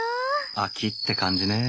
秋って感じねえ。